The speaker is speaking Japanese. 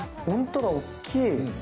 ホントだ、大きい！